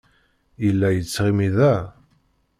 Yella yettɣimi da.